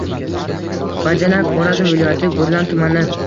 Bajanak – Xorazm viloyati Gurlan tumani.